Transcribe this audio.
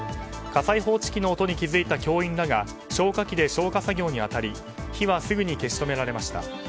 火災報知機の音に気付いた教員らが消火器で消火作業に当たり火はすぐに消し止められました。